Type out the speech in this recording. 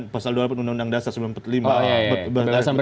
pasal dua puluh undang undang dasar seribu sembilan ratus empat puluh lima